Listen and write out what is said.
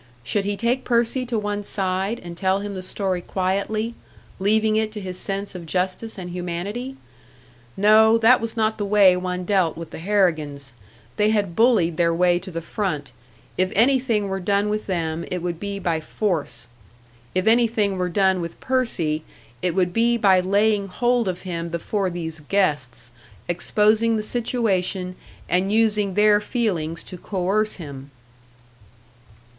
Should he take Percy to one side and tell him the story quietly, leaving it to his sense of justice and humanity? No, that was not the way one dealt with the Harrigans! They had bullied their way to the front; if anything were done with them, it would be by force! If anything were done with Percy, it would be by laying hold of him before these guests, exposing the situation, and using their feelings to coerce him!